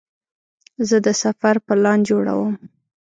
زه د سفر پلان جوړوم.